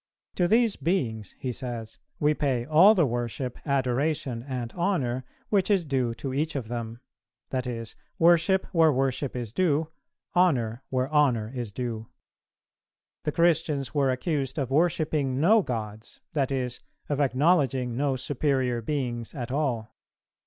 To these Beings, he says, we pay all the worship, adoration, and honour, which is due to each of them; i. e. worship where worship is due, honour where honour is due. The Christians were accused of worshipping no gods, that is, of acknowledging no superior beings at all.